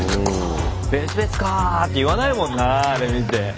「別々かー」って言わないもんなあれ見て。